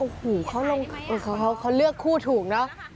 โอ้โหเขาเลือกคู่ถูกเนอะ